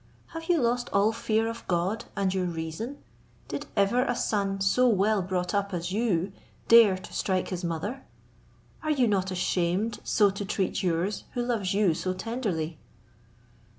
have you lost all fear of God and your reason? Did ever a son so well brought up as you dare to strike his mother? are you not ashamed so to treat yours, who loves you so tenderly?"